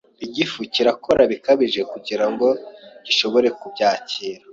Igifu kirakora bikabije kugira ngo gishobore kubyakira,